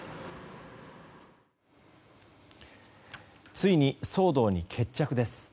ついに騒動に決着です。